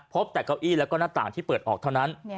พบแต่เก้าอี้แล้วก็หน้าต่างที่เปิดออกเท่านั้น